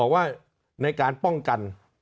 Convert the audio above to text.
ว่าในการป้องกัน